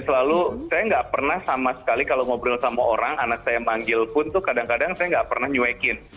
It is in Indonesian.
lalu saya gak pernah sama sekali kalau ngobrol sama orang anak saya yang manggil pun tuh kadang kadang saya gak pernah nyewekin